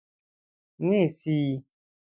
نیسي